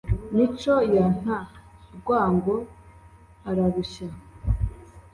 Mico ya Nta-rwango ararushya